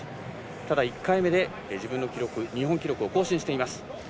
ただ、１回目で自分の記録日本記録を更新しています。